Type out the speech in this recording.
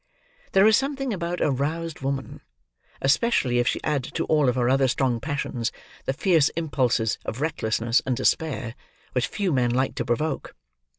There is something about a roused woman: especially if she add to all her other strong passions, the fierce impulses of recklessness and despair; which few men like to provoke.